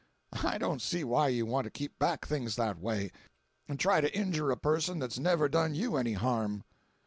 I don't see why you want to keep back things that way, and try to injure a person that's never done you any harm."